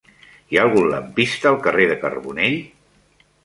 Hi ha algun lampista al carrer de Carbonell?